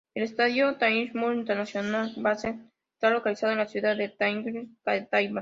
El estadio Taichung Intercontinental Baseball Stadium está localizado en la ciudad de Taichung, Taiwan.